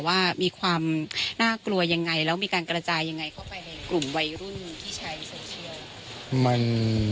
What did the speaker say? ว่ามีความน่ากลัวยังไงแล้วมีการกระจายยังไงเข้าไปในกลุ่มวัยรุ่นที่ใช้โซเชียล